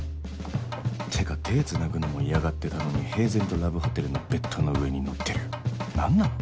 ってか手つなぐのも嫌がってたのに平然とラブホテルのベッドの上に乗ってる何なの？